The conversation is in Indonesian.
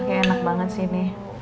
enak banget sih ini